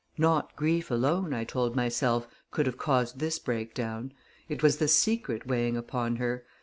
Not grief alone, I told myself, could have caused this breakdown; it was the secret weighing upon her.